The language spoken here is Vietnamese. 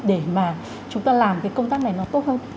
để mà chúng ta làm cái công tác này nó tốt hơn